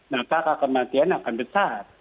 maka angka kematian akan besar